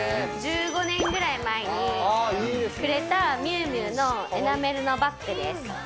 １５年ぐらい前にくれたミュウミュウのエナメルのバッグです。